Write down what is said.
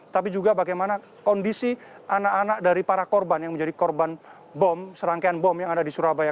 tapi juga bagaimana kondisi anak anak dari para korban yang menjadi korban bom serangkaian bom yang ada di surabaya